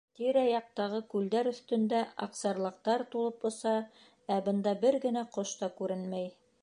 Тирә-яҡтағы күлдәр өҫтөндә аҡсарлаҡтар тулып оса, ә бында бер генә ҡош та күренмәй.